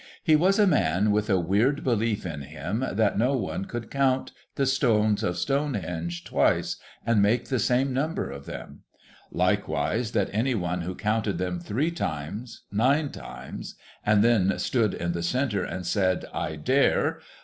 He was a man with a weird belief in him that no one could count the stones of Stonehenge twice, and make the same number of them ; likewise, that any one who counted them three times nine times, and then stood in the centre and said, ' I dare